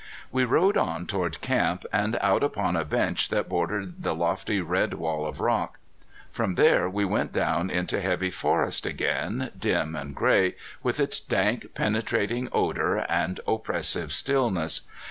We rode on toward camp, and out upon a bench that bordered the lofty red wall of rock. From there we went down into heavy forest again, dim and gray, with its dank, penetrating odor, and oppressive stillness.